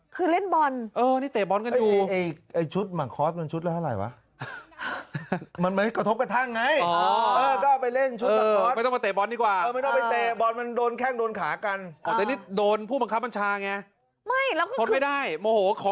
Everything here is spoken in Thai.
ขอบคุณครับขอบคุณครับ